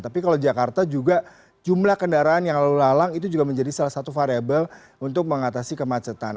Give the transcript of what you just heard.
tapi kalau jakarta juga jumlah kendaraan yang lalu lalang itu juga menjadi salah satu variable untuk mengatasi kemacetan